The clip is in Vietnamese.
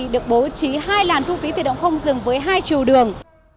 được bố trí hai làn thu phí tự động không dừng với hai trù đường